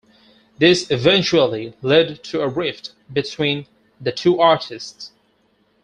This eventually led to a rift between the two artists.